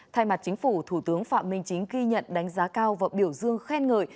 thay mặt chính phủ thủ tướng phạm minh chính ghi nhận đánh giá cao và biểu dương khen ngợi